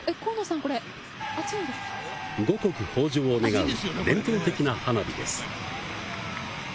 五穀豊穣を願う、伝統的な花火です。